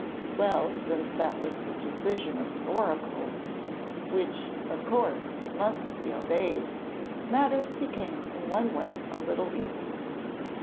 Well, since that was the decision of the oracle which, of course, must be obeyed matters became in one way a little easier.